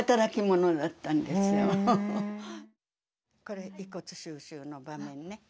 これ遺骨収集の場面ね。